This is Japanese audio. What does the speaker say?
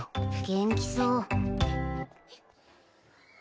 元気そう。